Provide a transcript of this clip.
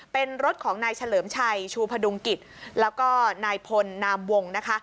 เป็นรถของนายเฉลิมชัยชูพดุงกิจแล้วก็นายพลนามวงนะคะ